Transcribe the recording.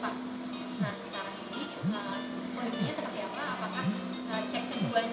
apakah cek kedua nya memandangkan dia negatif